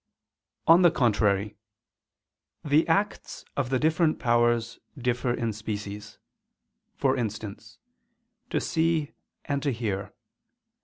On the contrary, The acts of the different powers differ in species; for instance, to see, and to hear.